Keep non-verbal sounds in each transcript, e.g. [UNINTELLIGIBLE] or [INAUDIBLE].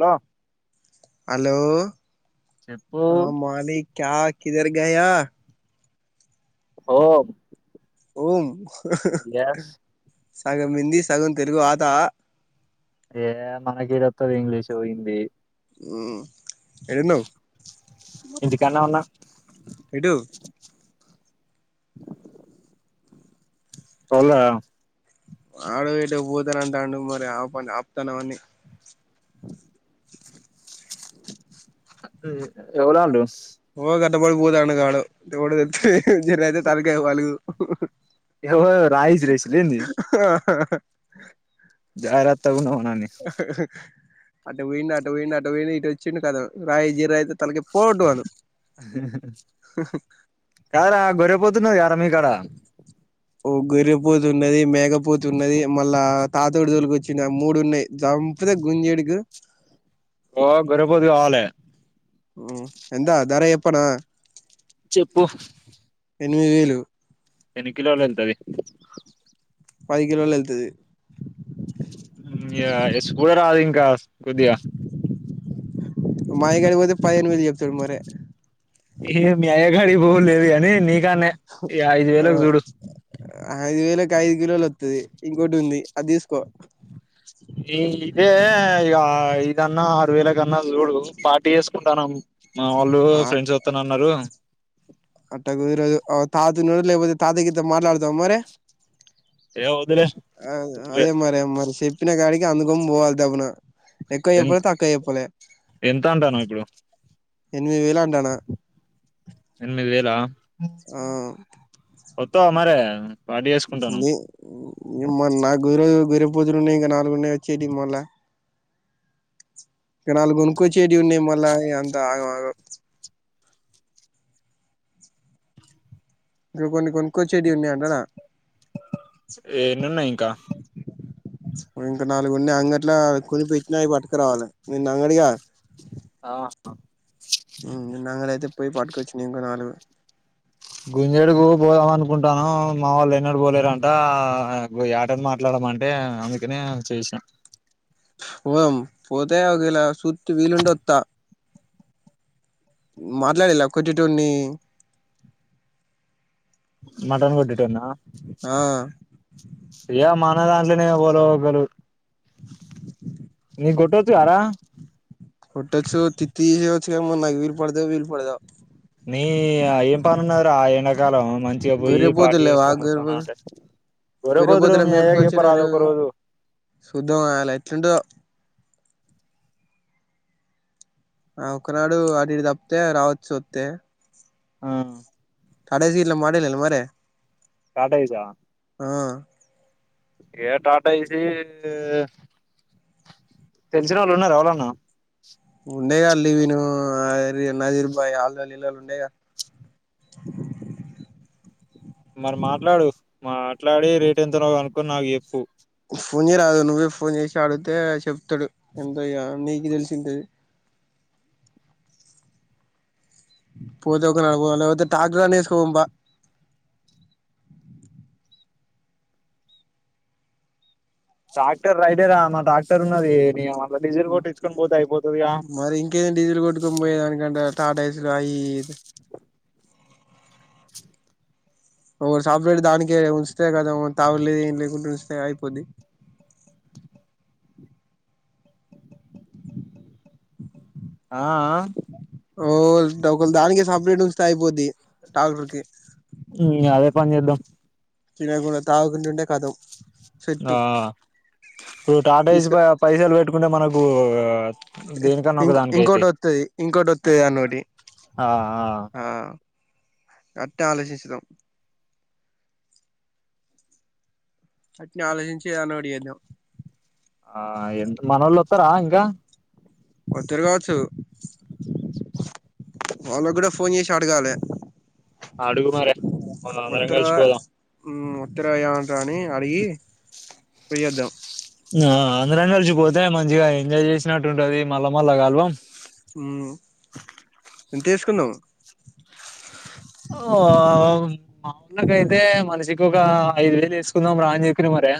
లో హలో అ మాలిక్ క్య కిధర్ గయా ఓ ఉం గ్యాస్ సగం హిందీ సగం తెలుగు ఆతా ఏ మనకేడ ఒత్తది ఇంగ్లీషు, హిందీ ఉమ్ ఏడున్నవ్ ఇంటికాన్నే ఉన్నా ఏటు ఔల ఆడు ఎటో పోతానంటాండు మరి ఆపన్ ఆప్తాన వాన్నీ ఎవలాల్లు ట్ల వడి పోతాండు గాడు ఎవడో తెల్ జర్రైతే తల్కయ్ పలుగు ఏవో రాయిస్ రేసులేంది ఆ జాగ్రత్తగుండమన్ అట్ట పౌండ్ అట్ట పౌండ్ అట్ట పౌండ్ ఇటు ఒచ్చిండు కతమ్ రాయి జీరైతే తలకి పోగొట్టుమను కాద్రా గొర్రెపోతున్నది గార మీకాడ ఓ గొర్రెపోతున్నది, మేకపోతున్నది మళ్ళా తాతోటి తొల్కోచ్చిన మూడున్నయి జంపుతే గుంజేడుకు ఓ గొర్రెపోతు గవాలె ఎంతా ధర ఎప్పనా చెప్పు ఎన్మిది వేలు ఎన్ని కిలోలెళ్తది పది కలోల్ ఎల్తది ఇంగ్య సుడరాదింకా కొద్దిగ మాయ కడిక్ పోతె పదిహేన్ వేల్ ఏప్తడు మరె ఏ మీ అయగాడి పోలేదు అని నీకాన్నే ఐదు వేలకు చూడు ఐదు వేలకి ఐదు కిలోలు వస్తది ఇంకోటి ఉంది అది తీసుకో ఈ ఇదే ఇక ఇదన్న ఆరు వేలకి అన్న చూడు పా తీసుకుంటాను మా వాళ్ళు ఆ ఫ్రెండ్స్ వస్తాన అన్నారు నోరు లేకపోతే తాతయ్యకి ఇస్తాం మాట్లాడతావ అ మరి ఏ వద్దులే అ అదే మరే మరి చెప్పిన కాడికి అందుకమ్ము పోవాలి తప్పున ఎక్కువ ఎ చపలే తక్కువ చపలే ఎంత అంటానవ్ ఇప్పుడు ఎనిమిది వేలు అన్నానా ఎనిమిది వేలా ఆ వస్తావా మరి ని నిమ్ నాకదిరేది వేరే పదులున్నాయి ఇంకా నాలుగున్నాయి వచ్చేడిమళ్ళ ఇక నాలుగు కోనుకుచ్చేడి ఉన్నాయి మళ్ళా అంతా ఆగం ఆగం ఇందులో కొన్ని కొన్ని కొచ్చేటియి ఉన్నాయి అన్నానా ఏని ఉన్నాయి ఇంకా నేన్న కొన్నా అంగట్లా కొని పెట్టిన్నాయి పట్టుకు రావాలి నిన్న అంగడిగా ఆ ఉమ్ నిన్న అనాంగా అయితే పోయి పాటుకు కొచ్చిన్నాయి ఉన్నాయి నాలుగు గుంజేడుకు పోదాం అనుకుంటాను మా వాళ్ళు ఎన్నడు పోలేరంట వేటని మాట్లాడదాం పాపం అంటే అందుకనే చేసేనా పోద్దాం పోతే ఆగలా సూతా వీలుంటే వత్తా మాట్లాడేలా కొట్టోన్ని మటన్ కొటెటోన్నా ఆ ఏ మా ఉన్న దాంట్లోనే బకలు ఒకలు నీ కొట్టోచు గరా కొట్టోచ్చు తితి తియవచ్చు క మ నాకు వీల్ పడిదో వీలు పడదో నీ ఏం పని ఉన్నాదిరా ఆ ఎండాకాలం మంచిగా పోయి గొర్రె పార్టీ పోతులు లేవా చేసుకొని గొర్రె వత్తాను అంటే గోరే గొర్రె పోతులు పోతులను మీ అయ్యకు చెపరాదు మేపుకొచ్చేటోళ్ళు ఒక రోజు చూద్దాం అలా ఎట్లా ఉంటాదో ఆ ఒకనాడు అటు ఇటు తప్పితే రావచ్చు వస్తే ఆ కాలేజీలో మాటేలెలా మరి కాట ఎశా ఆ ఏ టాటా ఎసి తెలిసిన వాళ్ళు ఉన్నారు ఎవళన్నా ఉండేగా లెవిను అ నాజీర్ బాయ్ ఆల్ ఆలు ఆలు ఉండేగా మరి మాట్లాడు మాట్లాడి రేట్ ఎంతనో కునుకొని నాకు చెప్పు ఫోనే చేయి రాదు నువ్వే ఫోన్ చేసి అడిగితే చెప్తాడు ఎంతయ్యా నీకు తెలిసిది అది పోతే ఒకేలా నను పాలో అయితే టాక్టర్ అన్న ఎసుకు పోద్దాం పా ట్రాక్టర్ రైటేరా మా ట్రాక్టర్ ఉన్నది నీ యమ అందులో డిజల్ కోట్టిచ్చుకొని పోతే అయిపోత మరి ఇంకే డీజిల్ కొట్టుకొని పోయే దానికంట టాటా ఎసి అయి ఇయి ఒక సాఫేడ్ దానికే ఉంచితే కదా తాగుడు లేదు ఎమి లేకుండా ఉంచితే నే కొది ఆఆ ఓల్ ఒకల్ దానికే సపరేట్ ఉంచితే అయిపోద్ది ట్రాక్టర్ కి అదే పని చేద్దాం తినేకుండా తాగుకుంటు ఉంటే కథం ఆ ఇప్పుడు టాటాఏసి తీసుక పైసలు పెట్టుకుంటే మనకు దేనికన్నా ఒక ఇంకో దానికి అయితాయి ఇంకోటోత్తది ఇంకోటి వత్తది యాదన్న ఒకటి ఆ ఆ అట్టే ఆలోచించేదాం అట్నే ఆలోచించి యదన ఒకటి చేద్దాం ఆ ఎంత మనోళ్ళు వత్తరా ఇంకా వత్తరు కావచ్చు వాళ్ళకి కూడా ఫోన్ చేసి అడగాలి అడుగు మరే మనం అందరం వత్తరా కలిసిపోదాం ఉమ్మ్ వత్తరా ఏమంటారాని అడిగి పోయోద్దాం ఇంగ అందరం కలిసిపోతేనే మంచిగా ఎంజాయ్ చేసినట్టుంటది మల్లా మల్లా కలవం ఉమ్మ్ తీసుకున్నము ఓమ్ మా అన్నకైతే మనిషికి కోకా ఐదు వేలు ఏసుకుందాం రా అని చెప్పిన మరి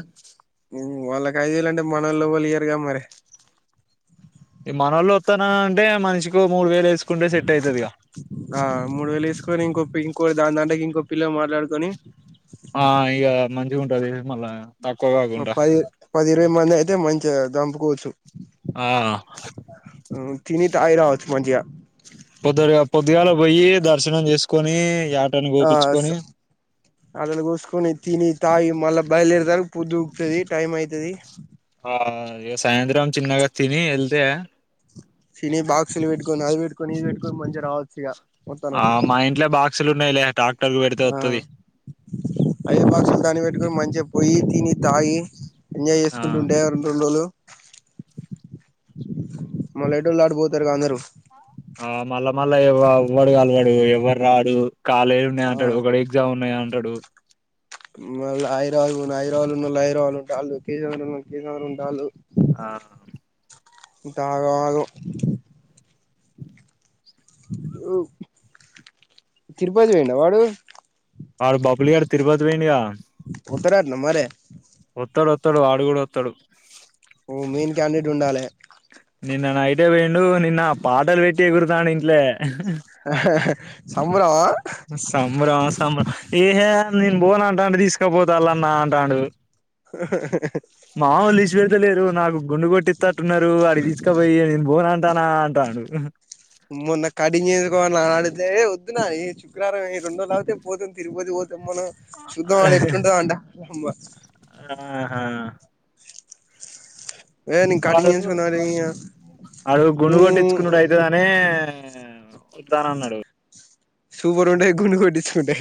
ఉమ్మ్ వాళ్ళకి ఐదు వేలు అంటే మనోళ్లు ఎవళ్ళు ఇయరుగా మరి ఈ మనోళ్ళు వత్తానని అంటే మనిషికి ఓ మూడు వేలు ఏసు ఆ మూడు వేలు ఏసుకొని ఇంకొ ఇంకోటి దాని దాంట్లోకి ఇంకో పిల్ల మాట్లాడుకొని ఆ ఇగ మంచిగుంటది మళ్ళా తక్కువ ఆ కాకుండా పది పది ఇరవై మంది అయితే మంచిగా దంపుకోవచ్చు ఆ తిని తాగి రావచ్చ మంచిగా పొద్దుగాల పొద్దుగాల పోయి దర్శనం చేసుకొని యాటను ఆ స కోపించుకొని అందులో కూసుకొని తిని తాగి మళ్ళ బయలుదేరేతలకి పొద్దు కుక్కుతది టైమ్ అయితది ఆ ఇగ సాయంత్రం చిన్నగ తిని ఎల్తే సిన బాక్లు పెట్టుకోని అది పెట్టుకోని ఇది పెట్టుకోని మంచిగా రావచ్చు ఇగ ఆ మా ఇంట్లో బాక్సులు ఉన్నాయిలే టక్టర్ కు పెడితే వత్తది అయె బాక్సులు దాన్నికి పెట్టుకొని మంచిగా పోయి తిని తాగి ఎంజాయ్ ఆ చేసుకుంటు ఉంటే రెం రెండు రోజులు మళ్ళ ఎటోళ్ళు అటు పోతారుగా అందరుూ ఆ మళ్ళా మళ్ళా ఎవ్వడు కలవాడు ఎవ్వడు రాడు కాలేజ్ ఉన్నాయ ఆ అంటాడు ఒకడు ఎగ్జామ్ ఉన్నాయ అంటాడు మళ్ళీ హైదరాబాద్ హైదరాబాదులో ఉన్నోళ్లు హైదరాబాద్లో ఉంటాళ్లు కె సముద్రంలో కే సముద్రంలో ఉంటాళ్ళు ఆ అంత ఆగమాగం తిరుపతి పోయిండా వాడు వాడు బబుల్ గాడు తిరుపతి పోయిండుగా పోతారట్ల మరి వత్తాడు వత్తాడు వాడు కూడా వత్తాడు ఓ మెయిన్ క్యాండెట్ ఉండాలే నిన్న నైటే పోయిండు నిన్న పాటలు పెట్టి ఎగురుతాండు ఇంట్లే హా హా సంభ్రమా సంబరం సంబరం ఏహే నేను బోన అంటాడు తీసుకపోతాళ్న్నా అంటాడు [INAUDIBLE] మావోల్లు ఇడిస పెడతా లేరు నాకు గుండు కొట్టి అంటున్నారు అడిగి తీసుకపోయి నేను బోన అంటానా అంటాను అదే వద్దునా ఈ శుక్రారం రండు రజు అతే పోతుంది తిగిపోతే పోద్ [UNINTELLIGIBLE] ను చూద్దాం అడ ఎట్ల ఉంటదో అంట ఆహా ఏ నేను కటింగ్ చేయించుకుందాం రా వాడు గుండు కొట్టిచ్చుకునుడు అయితదనే ఆ వత్తానన్నడు సూపర్ ఉండే గుండు కొట్టించుకుంటే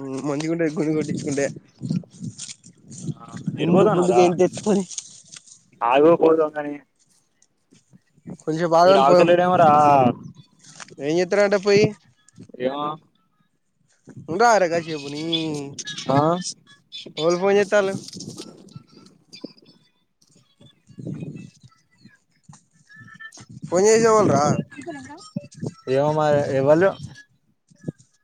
ఉం మంచి కుండ గుండు కొట్టించుకుంటే ఆ ఎటు గుండు గుండుగా పోతన్నవ్రా ఏం తెచ్చుకొని ఆగు ఒక్క నిమిషం అరి [UNINTELLIGIBLE] కొంచెం సేపు ఆగండి పోదాం ఏమ్ చెత్త రంట పోయి ఏమో ఉండ రాధురా కసేపు నీ ఆ ఎవరు ఫోన్ చెత్తరు [INAUDIBLE] [INAUDIBLE] ఫోన్ చేసేవాళ్ళు రా ఏమో మరి ఎవల్లు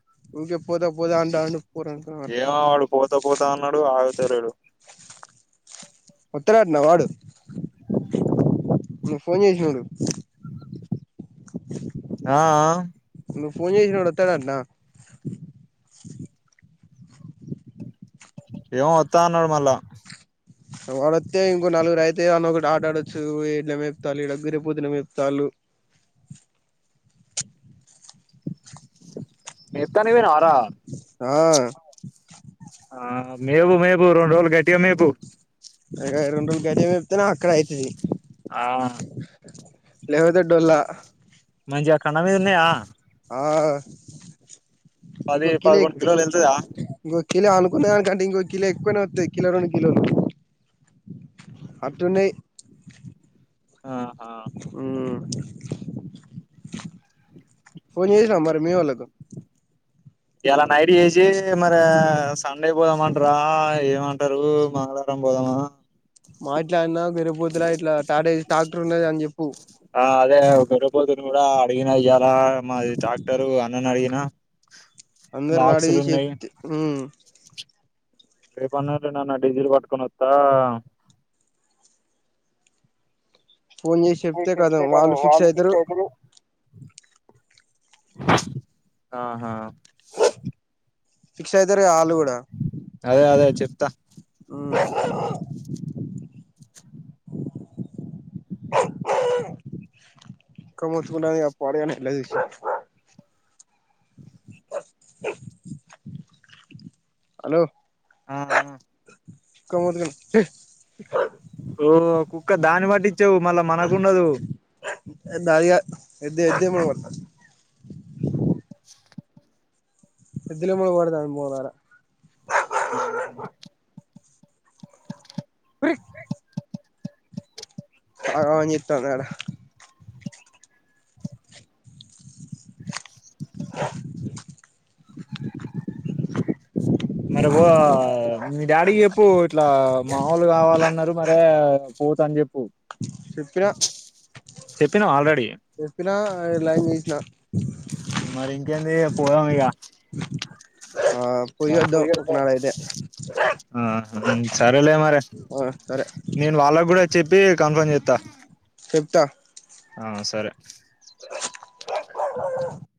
[UNINTELLIGIBLE] ఊకే పోదా పోదా అంట ఆడు పోరను అత ఏమో వాడు పోతా పోతా అన్నాడు ఆగుతలేడు వత్తడటన వాడు ను ఫోన్ చేసడు [UNINTELLIGIBLE] ఆ ఆ ఫోన్ చేసి నోడు వత్తడంటన ఏమో వత్తాఅన్నాడు మళ్ళ వాడస్తతే ఇంకో నలుగురు అయితే అన్నొకటి ఆట ఆడొచ్చు ఏడినపుతా [UNINTELLIGIBLE] ఇడగ గురే పుద్దునేపుతాలు [INAUDIBLE] మేపుతానికి పోయినావర ఆ ఆ మేపు మేపు రెండు రోజులు గట్టిగా మేపు ఇగ రెండు రోజులు గట్టిగా మేపితెనే అక్కడ అయితది ఆ లేకపోతే డోల్లా మంచిగ కండ మీద ఉన్నాయా పది ఇంకో కిలో పదకొండు ఎక్కువ కిలోలు ఎల్తదా ఇంకో కిలో అనుకున్నదాని కంటే ఇంకో కిలో ఎక్కువనే వస్తాయి కిలో రెండు కిలోలు అట్టున్నాయి ఆహా ఉం ఫోన్ చేసినవ మరి మీ వోళ్ళకు ఇయాలా నైట్ చేసి మరి సండే పోదామంటార ఏమంట టరు మంగళవారం పోదామా మాట్లాడినా గొర్రెపోతులా ఇట్లా టాటా ట్రాక్టర్ ఉన్నది అని చెప్పు ఆ అదే బర్రెపోతును కూడా అడిగినా ఇయ్యాల మాది టాక్టరు అన్నని అడిగిన అందరూ రాడ్ బాక్సులు తీసి ఉన్నాయి ఎపిత్తే ఉం రేపన్న ఎల్లుండన్న డీజిల్ పట్కొని వత్తా ఫోన్ చేసి మీకు కథం చెప్తే కద వాళ్ళు వాళ ఫిక్స్ శిక్ష అయితరు ఒకరు. ఆహా ఫిక్స్ అయితరుగా ఆళ్ళు గుడా అదే అదే చెప్తా ఉమ్ ఇంకా మొత్తుకుంటాంది పాడుగాను ఎల్లదీసి. హలో ఆ ఆ కుక్క మొత్తుకున్నది ఛీ ఓ కుక్క దాన్ని బట్టిచ్చేవు మళ్ళా మనకు ఉండదు. దాది కాద్ ఎద్దే ఎద్దేములు కొడతా. ఎద్దు లేమో పడతాంది పోలారా ఆ ఒరె ఆ ఆన్ చేత్తానాడా మరి పో మీ డాడీ కి చెప్పు ఇట్లా, మా వాళ్ళు కావాలన్నారు మరే పోత అని చెప్ చెప్పిన చెప్పినవ ఆల్రెడీ చెప్పినా లైన్ గీసిన. మరి ఇంకేంది పోదం ఇగ. ఆ ఆ పోయొద్దాం ఒకనాడైతే ఆ సారే లేమరి ఆ సరే నేను వాళ్ళకు గుడ చెప్పి కన్ఫర్మ్ చెత్తా. త్త ఆ సరే